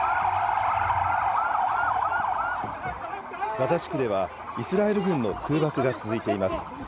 ガザ地区では、イスラエル軍の空爆が続いています。